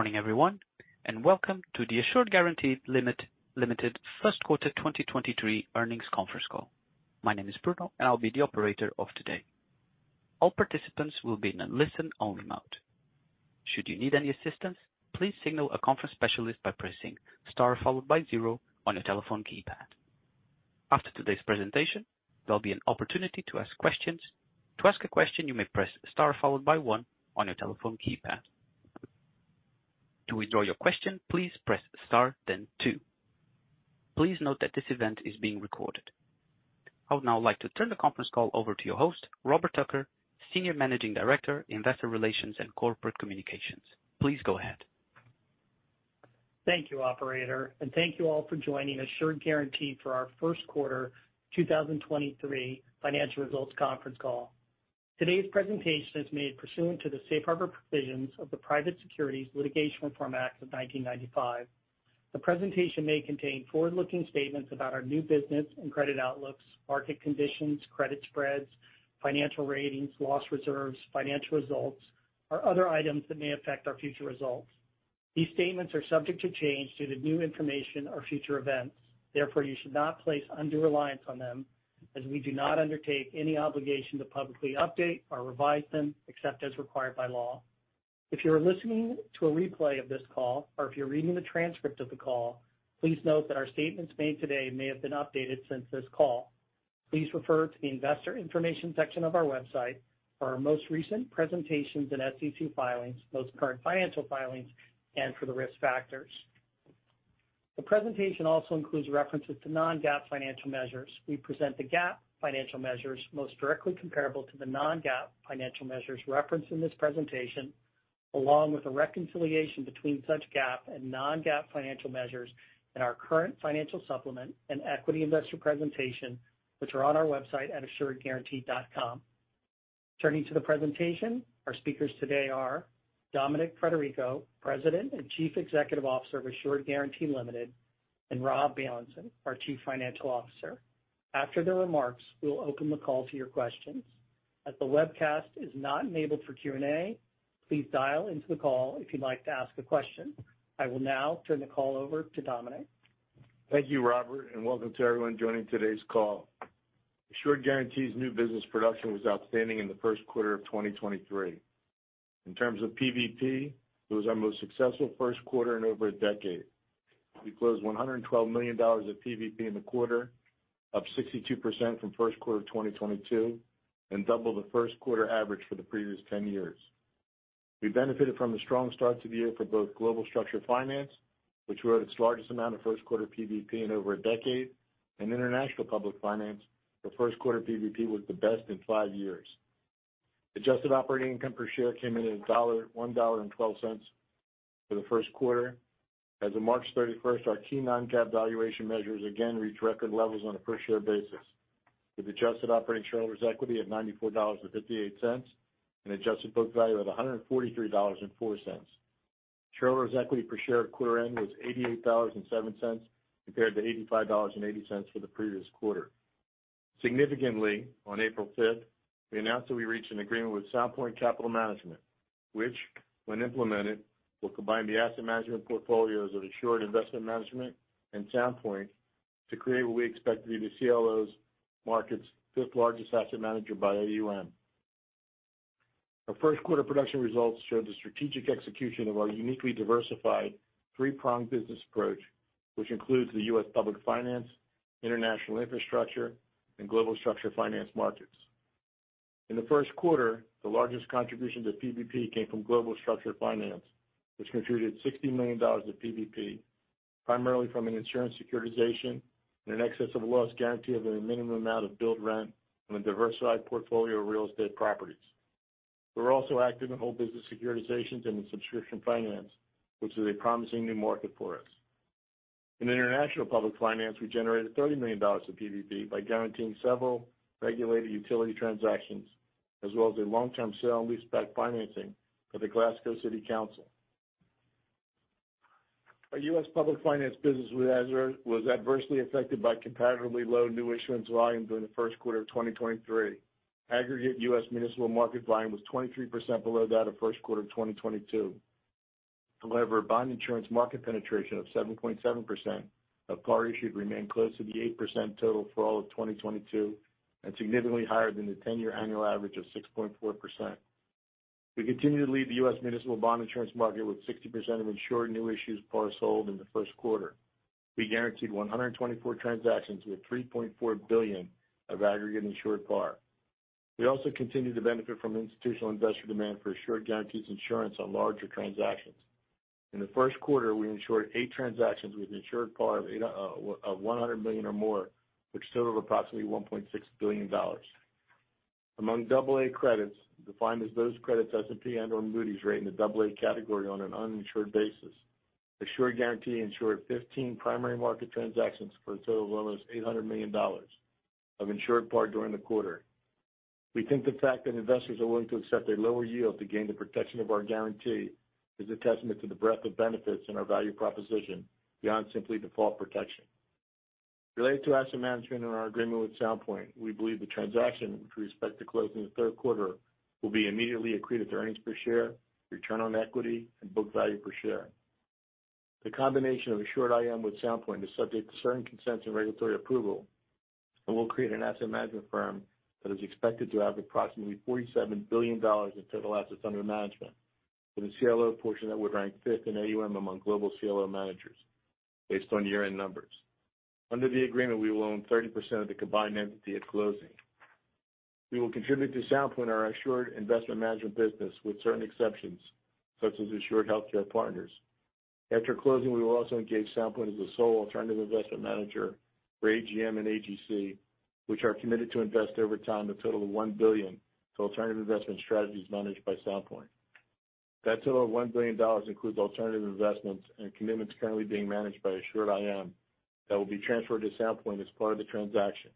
Morning everyone, welcome to the Assured Guaranty Limited First Quarter 2023 Earnings Conference Call. My name is Bruno, I'll be the operator of today. All participants will be in a listen-only mode. Should you need any assistance, please signal a conference specialist by pressing star followed by zero on your telephone keypad. After today's presentation, there'll be an opportunity to ask questions. To ask a question, you may press star followed by one on your telephone keypad. To withdraw your question, please press star, then two. Please note that this event is being recorded. I would now like to turn the conference call over to your host, Robert Tucker, Senior Managing Director, Investor Relations and Corporate Communications. Please go ahead. Thank you, operator, and thank you all for joining Assured Guaranty for our first quarter 2023 financial results conference call. Today's presentation is made pursuant to the safe harbor provisions of the Private Securities Litigation Reform Act of 1995. The presentation may contain forward-looking statements about our new business and credit outlooks, market conditions, credit spreads, financial ratings, loss reserves, financial results, or other items that may affect our future results. These statements are subject to change due to new information or future events. Therefore, you should not place undue reliance on them, as we do not undertake any obligation to publicly update or revise them except as required by law. If you are listening to a replay of this call or if you're reading the transcript of the call, please note that our statements made today may have been updated since this call. Please refer to the investor information section of our website for our most recent presentations and SEC filings, most current financial filings, and for the risk factors. The presentation also includes references to non-GAAP financial measures. We present the GAAP financial measures most directly comparable to the non-GAAP financial measures referenced in this presentation, along with a reconciliation between such GAAP and non-GAAP financial measures in our current financial supplement and equity investor presentation, which are on our website at assuredguaranty.com. Turning to the presentation, our speakers today are Dominic Frederico, President and Chief Executive Officer of Assured Guaranty Ltd., and Robert Bailenson, our Chief Financial Officer. After their remarks, we will open the call to your questions. As the webcast is not enabled for Q&A, please dial into the call if you'd like to ask a question. I will now turn the call over to Dominic. Thank you, Robert. Welcome to everyone joining today's call. Assured Guaranty's new business production was outstanding in the first quarter of 2023. In terms of PVP, it was our most successful first quarter in over a decade. We closed $112 million of PVP in the quarter, up 62% from first quarter of 2022, and double the first quarter average for the previous 10 years. We benefited from a strong start to the year for both global structured finance, which wrote its largest amount of first quarter PVP in over a decade. In international public finance, the first quarter PVP was the best in five years. Adjusted operating income per share came in at $1.12 for the first quarter. As of March 31st, our key non-GAAP valuation measures again reached record levels on a per-share basis, with adjusted operating shareholder's equity at $94.58 and adjusted book value at $143.04. Shareholder's equity per share at quarter end was $88.07 compared to $85.80 for the previous quarter. Significantly, on April 5th, we announced that we reached an agreement with Sound Point Capital Management, which, when implemented, will combine the asset management portfolios of Assured Investment Management and Sound Point to create what we expect to be the CLO market's fifth-largest asset manager by AUM. Our first quarter production results showed the strategic execution of our uniquely diversified three-pronged business approach, which includes the U.S. public finance, international infrastructure, and global structured finance markets. In the first quarter, the largest contribution to PVP came from global structured finance, which contributed $60 million of PVP, primarily from an insurance securitization and an excess of a loss guarantee of a minimum amount of build rent on a diversified portfolio of real estate properties. We're also active in whole business securitizations and in subscription finance, which is a promising new market for us. In international public finance, we generated $30 million of PVP by guaranteeing several regulated utility transactions as well as a long-term sale and leaseback financing for the Glasgow City Council. Our U.S. public finance business was adversely affected by comparatively low new issuance volumes during the first quarter of 2023. Aggregate U.S. municipal market volume was 23% below that of first quarter of 2022. Bond insurance market penetration of 7.7% of par issued remained close to the 8% total for all of 2022 and significantly higher than the 10-year annual average of 6.4%. We continue to lead the U.S. municipal bond insurance market with 60% of insured new issues par sold in the first quarter. We guaranteed 124 transactions with $3.4 billion of aggregate insured par. We also continue to benefit from institutional investor demand for Assured Guaranty's insurance on larger transactions. In the first quarter, we insured 8 transactions with insured par of $100 million or more, which totaled approximately $1.6 billion. Among double-A credits, defined as those credits S&P and/or Moody's rate in the double-A category on an uninsured basis, Assured Guaranty insured 15 primary market transactions for a total of almost $800 million of insured par during the quarter. We think the fact that investors are willing to accept a lower yield to gain the protection of our guarantee is a testament to the breadth of benefits and our value proposition beyond simply default protection. Related to asset management and our agreement with Sound Point, we believe the transaction with respect to closing the third quarter will be immediately accretive to earnings per share, return on equity, and book value per share. The combination of Assured IM with Sound Point is subject to certain consents and regulatory approval and will create an asset management firm that is expected to have approximately $47 billion in total assets under management, with a CLO portion that would rank fifth in AUM among global CLO managers based on year-end numbers. Under the agreement, we will own 30% of the combined entity at closing. We will contribute to Sound Point our Assured Investment Management business, with certain exceptions, such as Assured Healthcare Partners. After closing, we will also engage Sound Point as the sole alternative investment manager for AGM and AGC, which are committed to invest over time a total of $1 billion to alternative investment strategies managed by Sound Point. That total of $1 billion includes alternative investments and commitments currently being managed by Assured IM that will be transferred to Sound Point as part of the transaction.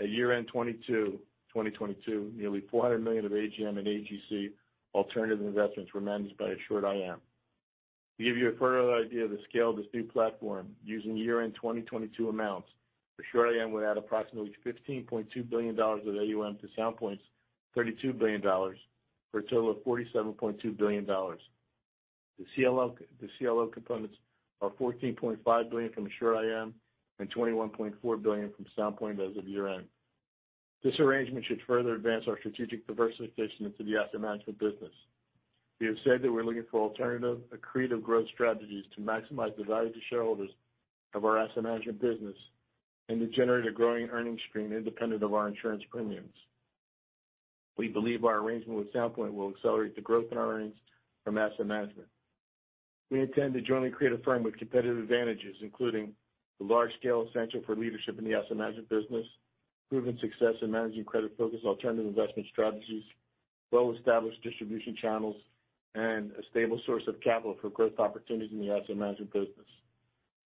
At year-end 2022, nearly $400 million of AGM and AGC alternative investments were managed by AssuredIM. To give you a further idea of the scale of this new platform, using year-end 2022 amounts, AssuredIM would add approximately $15.2 billion of AUM to Sound Point's $32 billion, for a total of $47.2 billion. The CLO components are $14.5 billion from AssuredIM and $21.4 billion from Sound Point as of year-end. This arrangement should further advance our strategic diversification into the asset management business. We have said that we're looking for alternative accretive growth strategies to maximize the value to shareholders of our asset management business and to generate a growing earnings stream independent of our insurance premiums. We believe our arrangement with Sound Point will accelerate the growth in our earnings from asset management. We intend to jointly create a firm with competitive advantages, including the large scale essential for leadership in the asset management business, proven success in managing credit-focused alternative investment strategies, well-established distribution channels, and a stable source of capital for growth opportunities in the asset management business.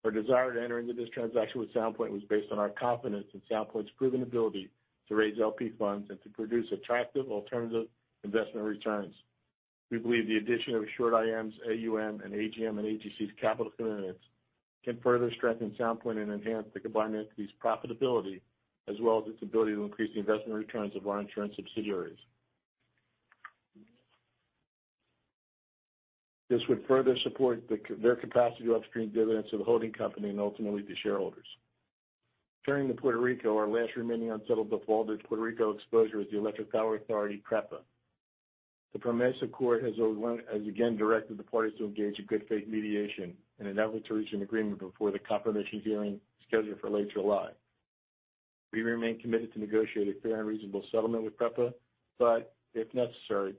Our desire to enter into this transaction with Sound Point was based on our confidence in Sound Point's proven ability to raise LP funds and to produce attractive alternative investment returns. We believe the addition of AssuredIM's AUM and AGM and AGC's capital commitments can further strengthen Sound Point and enhance the combined entity's profitability as well as its ability to increase the investment returns of our insurance subsidiaries. This would further support their capacity to upstream dividends to the holding company and ultimately to shareholders. Turning to Puerto Rico, our last remaining unsettled defaulted Puerto Rico exposure is the Electric Power Authority, PREPA. The PROMESA court has again directed the parties to engage in good faith mediation in an effort to reach an agreement before the confirmation hearing scheduled for late July. We remain committed to negotiate a fair and reasonable settlement with PREPA. If necessary,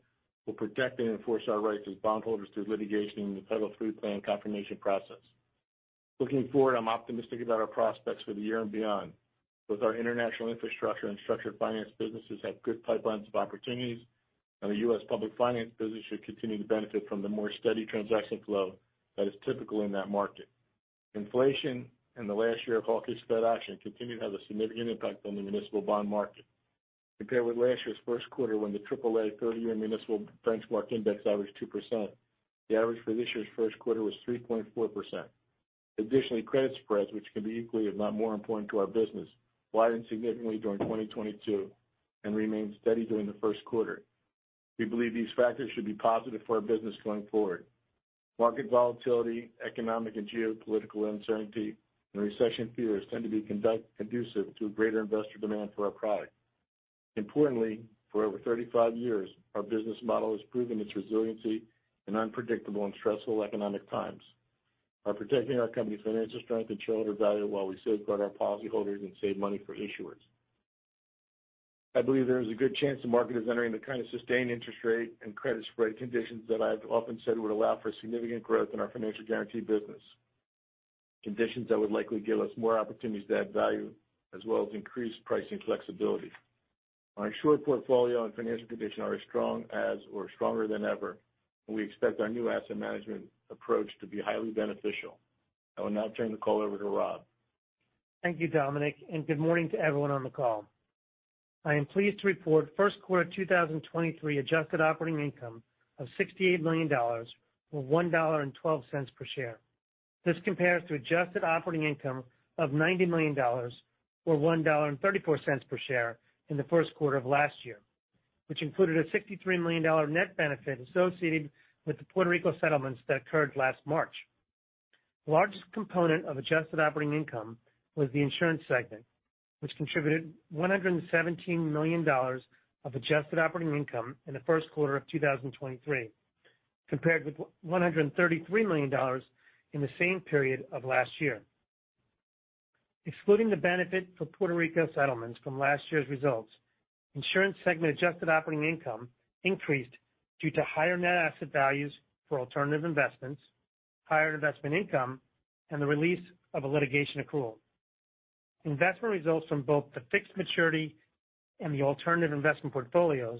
we'll protect and enforce our rights as bondholders through litigation in the Title III plan confirmation process. Looking forward, I'm optimistic about our prospects for the year and beyond. Both our international infrastructure and structured finance businesses have good pipelines of opportunities. The U.S. public finance business should continue to benefit from the more steady transaction flow that is typical in that market. Inflation in the last year of hawkish Fed action continued to have a significant impact on the municipal bond market. Compared with last year's first quarter, when the triple-A 30-year municipal benchmark index averaged 2%, the average for this year's first quarter was 3.4%. Credit spreads, which can be equally, if not more important to our business, widened significantly during 2022 and remained steady during the first quarter. We believe these factors should be positive for our business going forward. Market volatility, economic and geopolitical uncertainty, and recession fears tend to be conducive to a greater investor demand for our product. For over 35 years, our business model has proven its resiliency in unpredictable and stressful economic times by protecting our company's financial strength and shareholder value while we safeguard our policyholders and save money for issuers. I believe there is a good chance the market is entering the kind of sustained interest rate and credit spread conditions that I've often said would allow for significant growth in our financial guaranty business, conditions that would likely give us more opportunities to add value as well as increased pricing flexibility. Our Assured portfolio and financial condition are as strong as or stronger than ever, and we expect our new asset management approach to be highly beneficial. I will now turn the call over to Rob. Thank you, Dominic. Good morning to everyone on the call. I am pleased to report first quarter 2023 adjusted operating income of $68 million or $1.12 per share. This compares to adjusted operating income of $90 million or $1.34 per share in the first quarter of last year, which included a $63 million net benefit associated with the Puerto Rico settlements that occurred last March. The largest component of adjusted operating income was the insurance segment, which contributed $117 million of adjusted operating income in the first quarter of 2023, compared with $133 million in the same period of last year. Excluding the benefit for Puerto Rico settlements from last year's results, insurance segment adjusted operating income increased due to higher net asset values for alternative investments, higher investment income, and the release of a litigation accrual. Investment results from both the fixed maturity and the alternative investment portfolios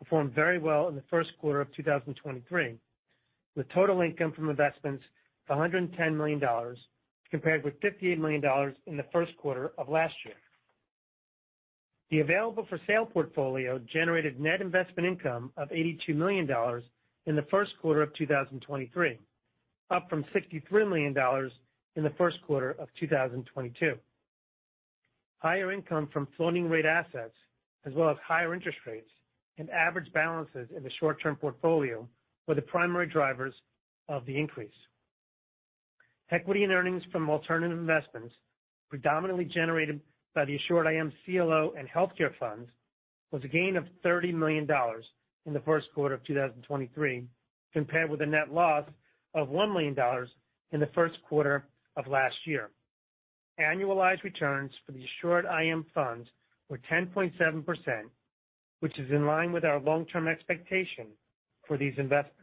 performed very well in the first quarter of 2023, with total income from investments of $110 million compared with $58 million in the first quarter of last year. The available-for-sale portfolio generated net investment income of $82 million in the first quarter of 2023, up from $63 million in the first quarter of 2022. Higher income from floating rate assets as well as higher interest rates and average balances in the short term portfolio were the primary drivers of the increase. Equity and earnings from alternative investments predominantly generated by the Assured IM CLO and healthcare funds was a gain of $30 million in the 1st quarter of 2023, compared with a net loss of $1 million in the 1st quarter of last year. Annualized returns for the Assured IM funds were 10.7%, which is in line with our long-term expectation for these investments.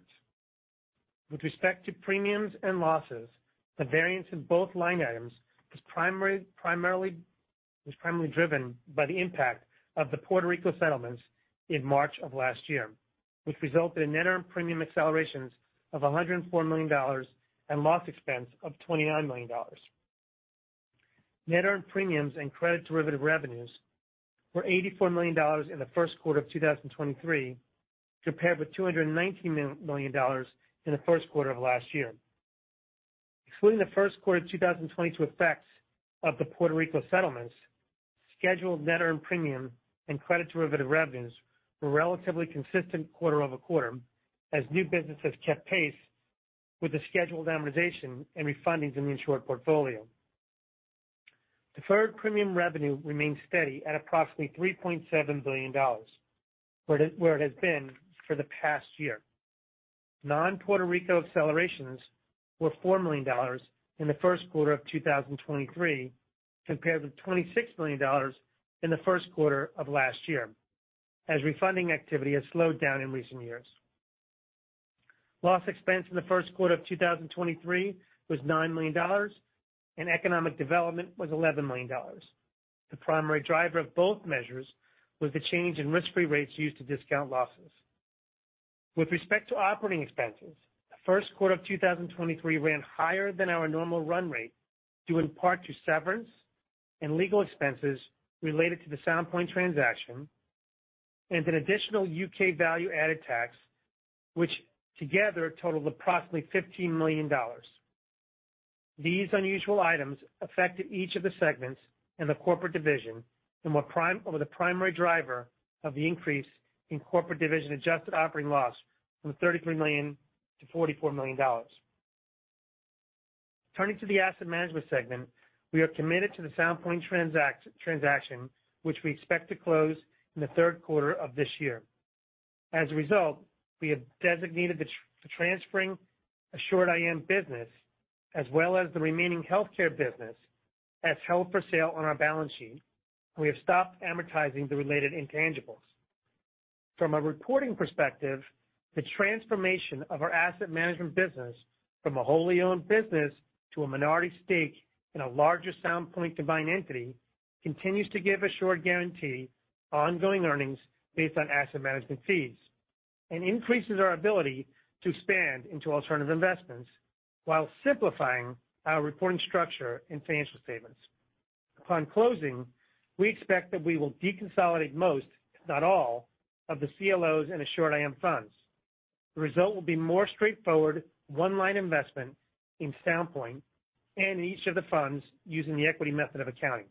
With respect to premiums and losses, the variance in both line items was primarily driven by the impact of the Puerto Rico settlements in March of last year, which resulted in net earned premium accelerations of $104 million and loss expense of $29 million. Net earned premiums and credit derivative revenues were $84 million in the first quarter of 2023, compared with $219 million in the first quarter of last year. Excluding the first quarter of 2022 effects of the Puerto Rico settlements, scheduled net earned premium and credit derivative revenues were relatively consistent quarter-over-quarter as new businesses kept pace with the scheduled amortization and refundings in the insured portfolio. Deferred premium revenue remains steady at approximately $3.7 billion, where it has been for the past year. Non-Puerto Rico accelerations were $4 million in the first quarter of 2023, compared with $26 million in the first quarter of last year, as refunding activity has slowed down in recent years. Loss expense in the first quarter of 2023 was $9 million and economic development was $11 million. The primary driver of both measures was the change in risk-free rates used to discount losses. With respect to operating expenses, the first quarter of 2023 ran higher than our normal run rate due in part to severance and legal expenses related to the Sound Point transaction and an additional U.K. value-added tax, which together totaled approximately $15 million. These unusual items affected each of the segments in the corporate division and were the primary driver of the increase in corporate division adjusted operating loss from $33 million to $44 million. Turning to the asset management segment, we are committed to the Sound Point transaction, which we expect to close in the third quarter of this year. As a result, we have designated for transferring Assured IM business as well as the remaining healthcare business as held for sale on our balance sheet, and we have stopped amortizing the related intangibles. From a reporting perspective, the transformation of our asset management business from a wholly owned business to a minority stake in a larger Sound Point combined entity continues to give Assured Guaranty ongoing earnings based on asset management fees and increases our ability to expand into alternative investments while simplifying our reporting structure and financial statements. Upon closing, we expect that we will deconsolidate most, if not all, of the CLOs in Assured IM funds. The result will be more straightforward one-line investment in Sound Point and in each of the funds using the equity method of accounting.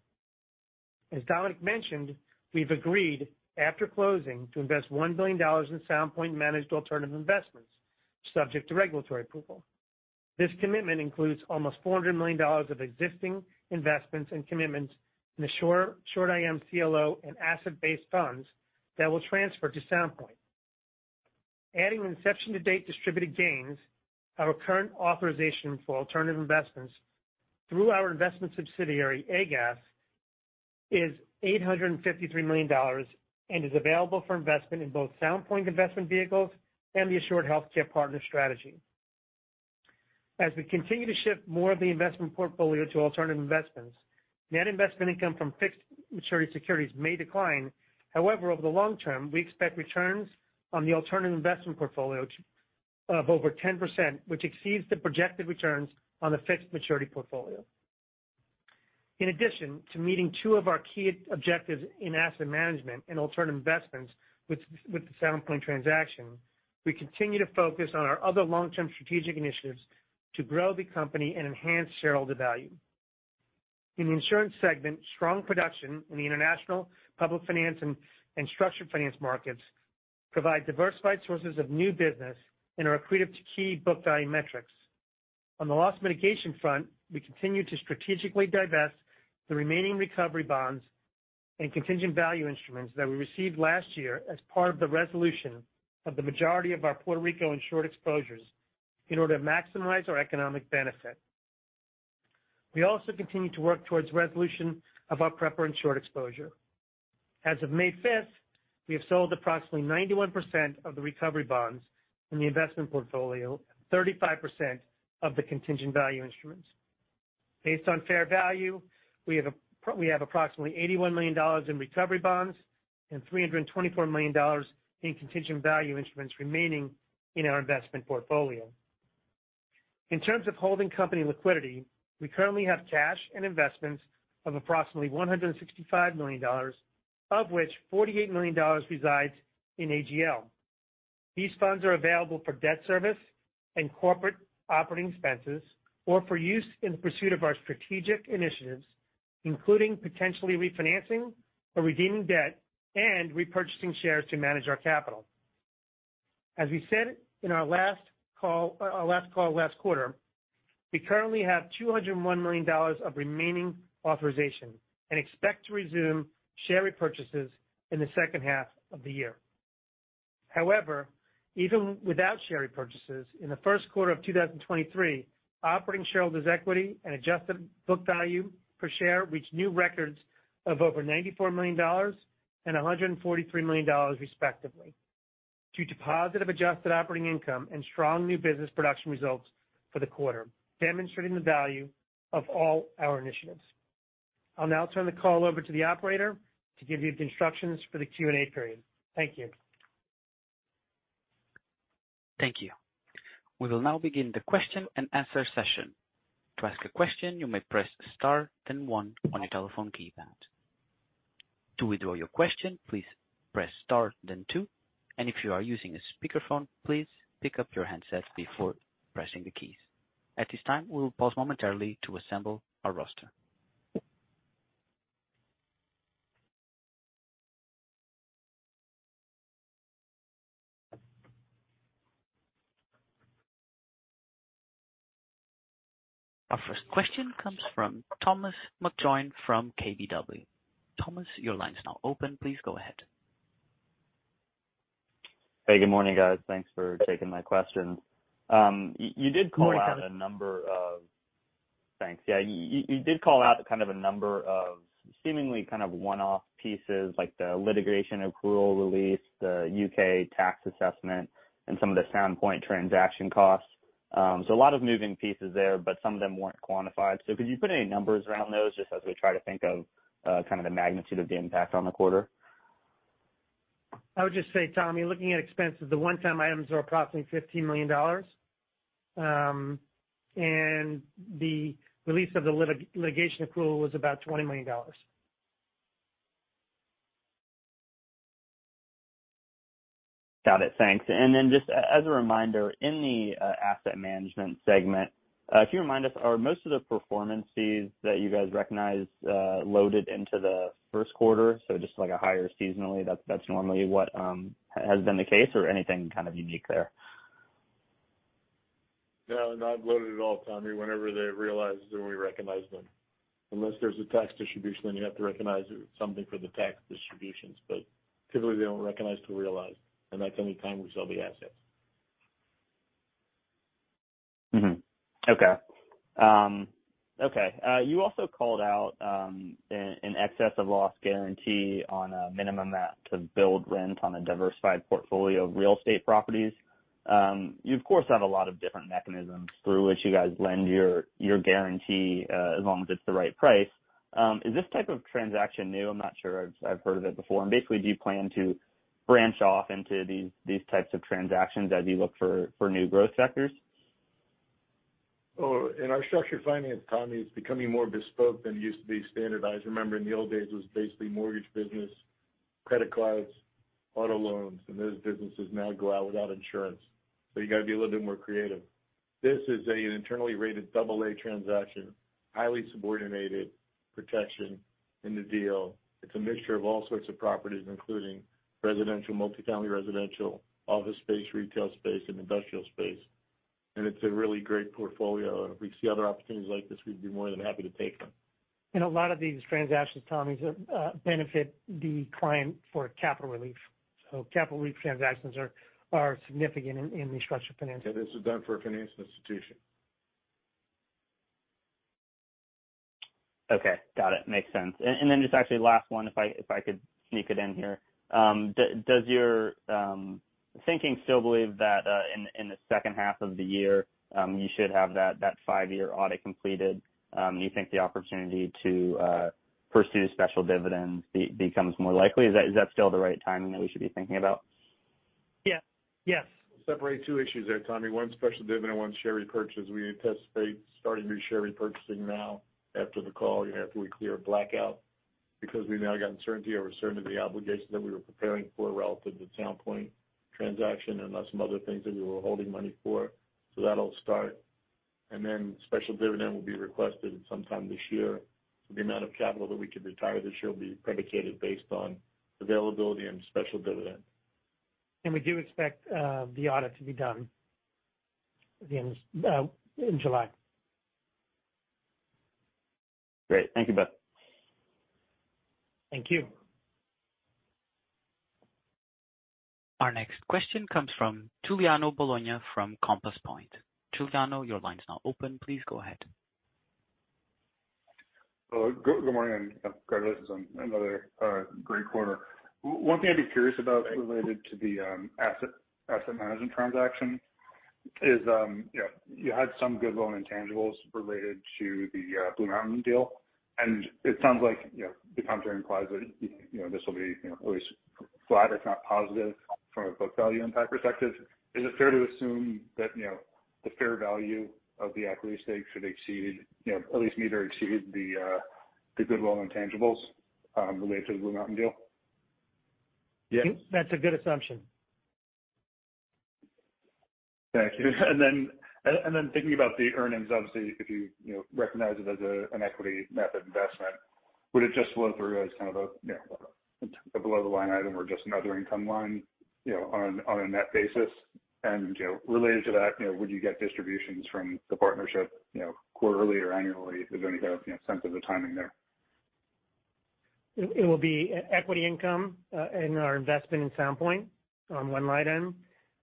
Dominic mentioned, we've agreed after closing to invest $1 billion in Sound Point managed alternative investments subject to regulatory approval. This commitment includes almost $400 million of existing investments and commitments in AssuredIM CLO and asset-based funds that will transfer to Sound Point. Adding inception to date distributed gains, our current authorization for alternative investments through our investment subsidiary, AGAS, is $853 million and is available for investment in both Sound Point investment vehicles and the Assured Healthcare Partners strategy. We continue to shift more of the investment portfolio to alternative investments, net investment income from fixed maturity securities may decline. Over the long term, we expect returns on the alternative investment portfolio of over 10%, which exceeds the projected returns on the fixed maturity portfolio. In addition to meeting two of our key objectives in asset management and alternative investments with the Sound Point transaction, we continue to focus on our other long-term strategic initiatives to grow the company and enhance shareholder value. In the insurance segment, strong production in the international public finance and structured finance markets provide diversified sources of new business and are accretive to key book value metrics. On the loss mitigation front, we continue to strategically divest the remaining recovery bonds and contingent value instruments that we received last year as part of the resolution of the majority of our Puerto Rico insured exposures in order to maximize our economic benefit. We also continue to work towards resolution of our PREPA insured exposure. As of May fifth, we have sold approximately 91% of the recovery bonds in the investment portfolio, 35% of the contingent value instruments. Based on fair value, we have approximately $81 million in recovery bonds and $324 million in contingent value instruments remaining in our investment portfolio. In terms of holding company liquidity, we currently have cash and investments of approximately $165 million, of which $48 million resides in AGL. These funds are available for debt service and corporate operating expenses or for use in the pursuit of our strategic initiatives, including potentially refinancing or redeeming debt and repurchasing shares to manage our capital. As we said in our last call, our last call last quarter, we currently have $201 million of remaining authorization and expect to resume share repurchases in the second half of the year. Even without share repurchases, in the first quarter of 2023, operating shareholders equity and adjusted book value per share reached new records of over $94 million and $143 million, respectively. Due to positive adjusted operating income and strong new business production results for the quarter, demonstrating the value of all our initiatives. I'll now turn the call over to the operator to give you the instructions for the Q&A period. Thank you. Thank you. We will now begin the question and answer session. To ask a question, you may press star then one on your telephone keypad. To withdraw your question, please press star then two. If you are using a speakerphone, please pick up your handset before pressing the keys. At this time, we will pause momentarily to assemble our roster. Our first question comes from Thomas McJoynt-Griffith from KBW. Thomas, your line is now open. Please go ahead. Hey, good morning, guys. Thanks for taking my questions. You did call out a number of... Good morning, Tom. Thanks. Yeah, you did call out kind of a number of seemingly kind of one-off pieces like the litigation accrual release, the U.K. tax assessment, and some of the Sound Point transaction costs. A lot of moving pieces there, but some of them weren't quantified. Could you put any numbers around those just as we try to think of kind of the magnitude of the impact on the quarter? I would just say, Tommy, looking at expenses, the one-time items are approximately $15 million. The release of the litigation accrual was about $20 million. Got it. Thanks. Just as a reminder, in the asset management segment, can you remind us, are most of the performance fees that you guys recognize, loaded into the first quarter? Just like a higher seasonally, that's normally what has been the case or anything kind of unique there? No, not loaded at all, Tommy. Whenever they realize it, then we recognize them. Unless there's a tax distribution, then you have to recognize something for the tax distributions. Typically, we don't recognize till realized, and that's only time we sell the assets. Okay. Okay. You also called out an excess of loss guarantee on a minimum build to rent on a diversified portfolio of real estate properties. You of course have a lot of different mechanisms through which you guys lend your guarantee, as long as it's the right price. Is this type of transaction new? I'm not sure I've heard of it before. Basically, do you plan to branch off into these types of transactions as you look for new growth sectors? In our structured finance, Tommy, it's becoming more bespoke than it used to be standardized. Remember in the old days, it was basically mortgage business, credit cards, auto loans, and those businesses now go out without insurance. You got to be a little bit more creative. This is an internally rated double-A transaction, highly subordinated protection in the deal. It's a mixture of all sorts of properties, including residential, multi-family residential, office space, retail space, and industrial space. It's a really great portfolio. If we see other opportunities like this, we'd be more than happy to take them. A lot of these transactions, Tommy, benefit the client for capital relief. Capital relief transactions are significant in the structured finance. Yeah, this is done for a finance institution. Okay. Got it. Makes sense. Just actually last one, if I could sneak it in here. Does your thinking still believe that in the second half of the year, you should have that five-year audit completed, you think the opportunity to pursue special dividends becomes more likely? Is that still the right timing that we should be thinking about? Yeah. Yes. Separate two issues there, Tommy. One's special dividend, one's share repurchase. We anticipate starting new share repurchasing now after the call, after we clear a blackout, because we've now got uncertainty over certainty of the obligations that we were preparing for relative to Sound Point transaction and some other things that we were holding money for. That'll start. Special dividend will be requested sometime this year. The amount of capital that we could retire this year will be predicated based on availability and special dividend. We do expect the audit to be done at the end of, in July. Great. Thank you both. Thank you. Our next question comes from Giuliano Bologna from Compass Point. Giuliano, your line is now open. Please go ahead. Hello. Good morning, Congratulations on another great quarter. One thing I'd be curious about related to the asset management transaction is, you know, you had some good loan intangibles related to the BlueMountain deal, and it sounds like, you know, the commentary implies that, you know, this will be, you know, at least... flat, if not positive from a book value impact perspective. Is it fair to assume that, you know, the fair value of the equity stake should exceed, you know, at least meet or exceed the goodwill and intangibles related to the BlueMountain deal? Yes. That's a good assumption. Thank you. Then thinking about the earnings, obviously, if you know, recognize it as an equity method investment, would it just flow through as kind of a, you know, a below-the-line item or just another income line, you know, on a net basis? Related to that, you know, would you get distributions from the partnership, you know, quarterly or annually? If there's any kind of, you know, sense of the timing there. It will be equity income in our investment in Sound Point on one line item.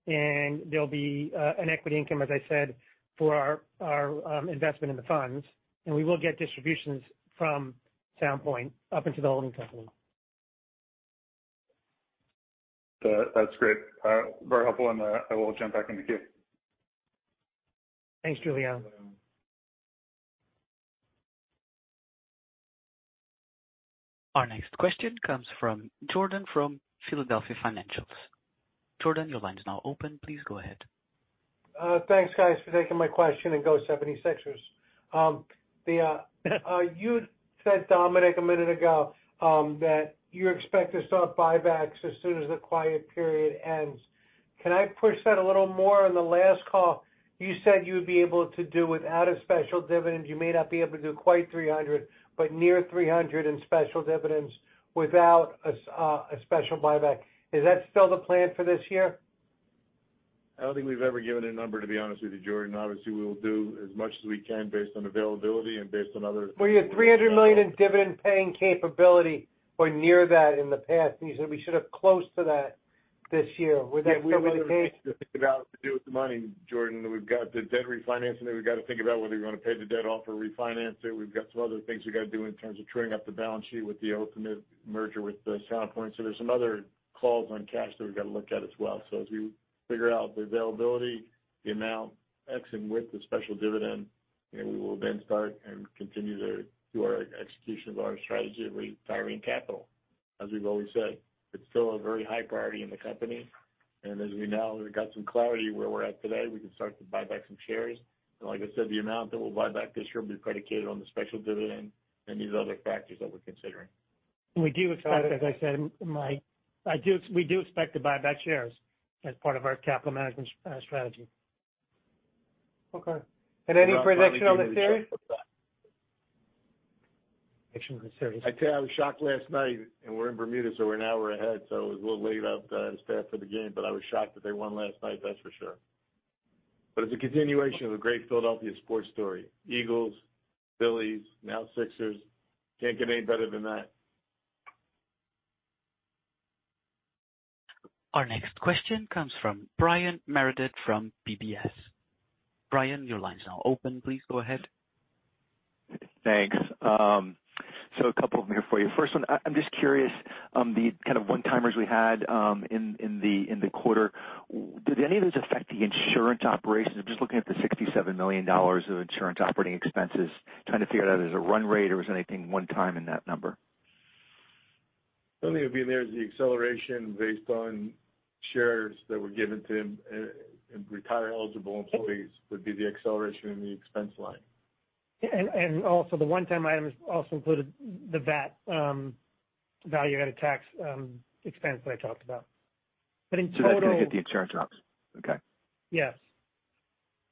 There'll be an equity income, as I said, for our investment in the funds. We will get distributions from Sound Point up into the holding company. That's great. Very helpful, and I will jump back in the queue. Thanks, Julian. Our next question comes from Jordan from Philadelphia Financial. Jordan, your line is now open. Please go ahead. Thanks, guys, for taking my question, and go Sixers. The, you said, Dominic, a minute ago, that you expect to start buybacks as soon as the quiet period ends. Can I push that a little more? On the last call, you said you would be able to do without a special dividend. You may not be able to do quite 300, but near 300 in special dividends without a special buyback. Is that still the plan for this year? I don't think we've ever given a number, to be honest with you, Jordan. Obviously, we will do as much as we can based on availability and based on other- Well, you had $300 million in dividend-paying capability or near that in the past. You said we should have close to that this year. Would that still be the case? Yeah, we have other things to think about to do with the money, Jordan. We've got the debt refinancing that we've gotta think about, whether we wanna pay the debt off or refinance it. We've got some other things we gotta do in terms of trimming up the balance sheet with the ultimate merger with Sound Point. There's some other calls on cash that we've gotta look at as well. As we figure out the availability, the amount, X and width, the special dividend, and we will then start and continue to do our execution of our strategy of retiring capital. As we've always said, it's still a very high priority in the company. As we now got some clarity where we're at today, we can start to buy back some shares. Like I said, the amount that we'll buy back this year will be predicated on the special dividend and these other factors that we're considering. We do expect, as I said, Dominic, we do expect to buy back shares as part of our capital management strategy. Okay. Any projection on the series? I'll probably do the Sixers with that. Projection on the series. I tell you, I was shocked last night, and we're in Bermuda, so we're an hour ahead, so it was a little late out, as to after the game, but I was shocked that they won last night, that's for sure. It's a continuation of a great Philadelphia sports story. Eagles, Phillies, now Sixers. Can't get any better than that. Our next question comes from Brian Meredith from UBS. Brian, your line is now open. Please go ahead. Thanks. A couple of them here for you. First one, I'm just curious on the kind of one-timers we had in the quarter. Did any of those affect the insurance operations? I'm just looking at the $67 million of insurance operating expenses, trying to figure out if there's a run rate or was anything one-time in that number. The only thing would be there is the acceleration based on shares that were given to retire-eligible employees would be the acceleration in the expense line. Also the one-time items also included the VAT, value-added tax, expense that I talked about. In total. That didn't hit the insurance ops. Okay. Yes.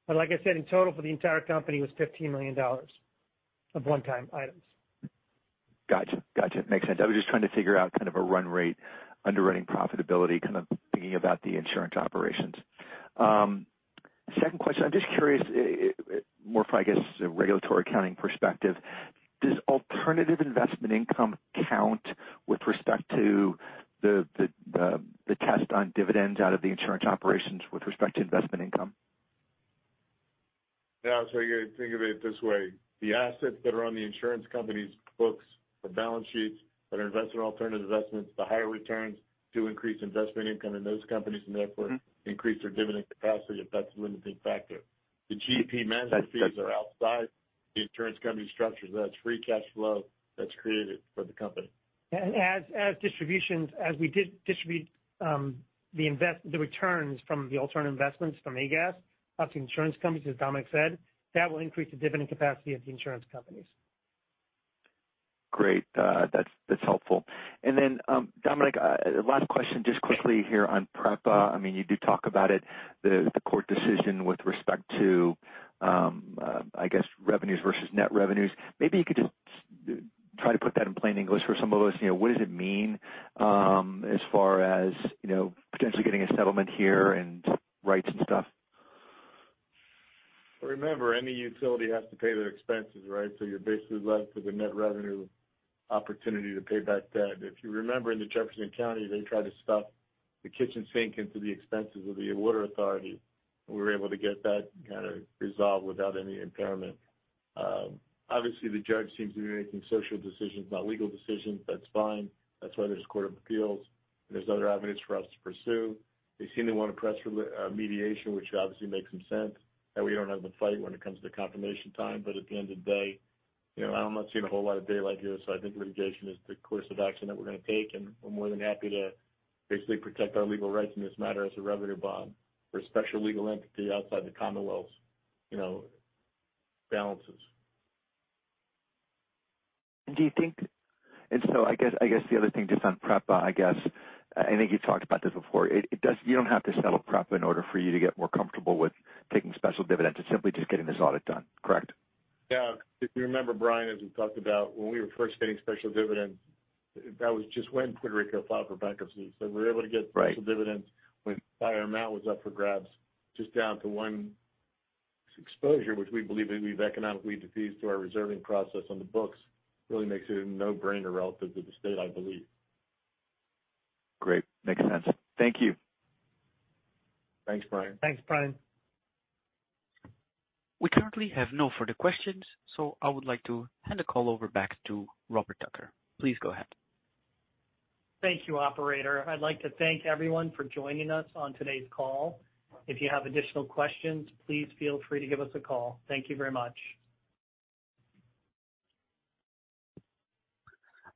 Like I said, in total for the entire company, it was $15 million of one-time items. Gotcha. Gotcha. Makes sense. I was just trying to figure out kind of a run rate, underwriting profitability, kind of thinking about the insurance operations. Second question, I'm just curious, more from, I guess, a regulatory accounting perspective. Does alternative investment income count with respect to the test on dividends out of the insurance operations with respect to investment income? Yeah. You gotta think of it this way. The assets that are on the insurance company's books or balance sheets that are invested in alternative investments, the higher returns do increase investment income in those companies and therefore increase their dividend capacity if that's the limiting factor. The GP management fees are outside the insurance company structure. That's free cash flow that's created for the company. As distributions, as we did distribute, the returns from the alternate investments from AGAS up to insurance companies, as Dominic said, that will increase the dividend capacity of the insurance companies. Great. That's helpful. Then, Dominic, last question just quickly here on PREPA. I mean, you do talk about it, the court decision with respect to, I guess revenues versus net revenues. Maybe you could just try to put that in plain English for some of us. You know, what does it mean, as far as, you know, potentially getting a settlement here and rights and stuff? Remember, any utility has to pay their expenses, right? You're basically left with a net revenue opportunity to pay back debt. If you remember in the Jefferson County, they tried to stuff the kitchen sink into the expenses of the Water Authority. We were able to get that kind of resolved without any impairment. Obviously, the judge seems to be making social decisions, not legal decisions. That's fine. That's why there's Court of Appeals. There's other avenues for us to pursue. They seem to wanna press for the mediation, which obviously makes some sense. We don't have the fight when it comes to confirmation time. At the end of the day, you know, I'm not seeing a whole lot of daylight here, so I think litigation is the course of action that we're gonna take, and we're more than happy to basically protect our legal rights in this matter as a revenue bond. We're a special legal entity outside the commonwealth's, you know, balances. I guess the other thing just on PREPA, I guess, I think you talked about this before. It You don't have to settle PREPA in order for you to get more comfortable with taking special dividends. It's simply just getting this audit done, correct? Yeah. If you remember, Brian, as we talked about, when we were first getting special dividends, that was just when Puerto Rico filed for bankruptcy. We were able to get- Right. special dividends when the entire amount was up for grabs, just down to one exposure, which we believe we've economically defeased through our reserving process on the books. Really makes it a no-brainer relative to the state, I believe. Great. Makes sense. Thank you. Thanks, Brian. Thanks, Brian. We currently have no further questions, so I would like to hand the call over back to Robert Tucker. Please go ahead. Thank you, operator. I'd like to thank everyone for joining us on today's call. If you have additional questions, please feel free to give us a call. Thank you very much.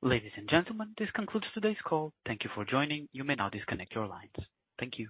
Ladies and gentlemen, this concludes today's call. Thank you for joining. You may now disconnect your lines. Thank you.